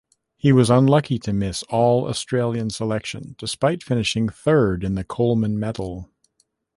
He was unlucky to miss All-Australian selection despite finishing third in the Coleman medal.